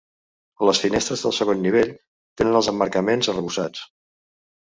Les finestres del segon nivell tenen els emmarcaments arrebossats.